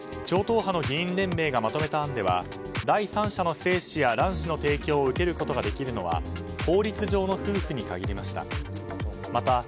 超党派の議員連盟がまとめた案では第三者の精子や卵子の提供を受けることができるのは法律上の夫婦に限りました。